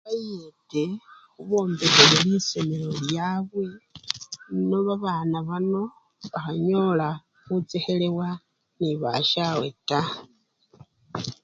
Khubayete khubombekhele lisomelo lyabwe, nebabana bano bakhanyola khuchekhelebwa nebabasyabwe taa.